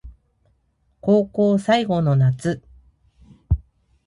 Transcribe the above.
高校最後の夏